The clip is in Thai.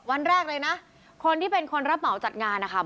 วันแรกเลยนะคนที่เป็นคนรับเหมาจัดงานนะคะ